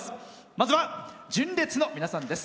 まずは純烈の皆さんです。